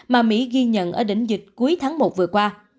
mà mỹ ghi nhận ở đỉnh dịch cuối tháng một vừa qua